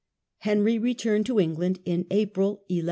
Henry returned to England in April, 1172.